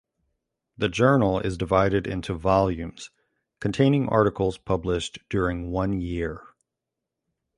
The journal is divided into volumes containing articles published during one year.